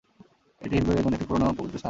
এটি হিন্দুদের জন্য একটি পুরানো পবিত্র স্থান।